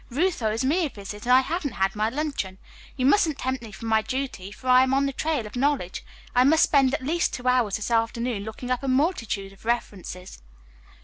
Ruth owes me a visit, and I haven't had my luncheon. You mustn't tempt me from my duty, for I am on the trail of knowledge. I must spend at least two hours this afternoon looking up a multitude of references."